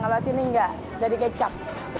kalau sini enggak jadi kecap